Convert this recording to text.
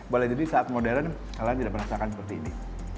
boleh jadi saat modern kalian tidak merasakan seperti ini